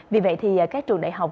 vì vậy thì các trường đại học